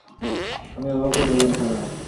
আমি অবাক হয়ে বললাম, কারা?